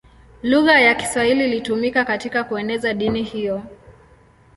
Lugha ya Kiswahili ilitumika katika kueneza dini hiyo.